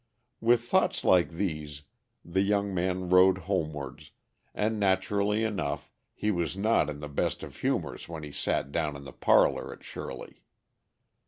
With thoughts like these the young man rode homewards, and naturally enough he was not in the best of humors when he sat down in the parlor at Shirley.